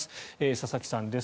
佐々木さんです。